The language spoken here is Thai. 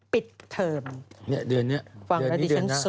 ปิดเทิมเดือนนี้